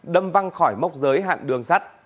đâm văng khỏi mốc giới hạn đường sắt